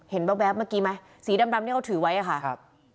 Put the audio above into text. เห็นแบ๊บเมื่อกี้ไหมสีดำดำนี้เอาถือไว้ค่ะ